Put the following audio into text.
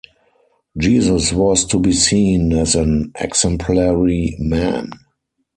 Jesus was to be seen as an exemplary man.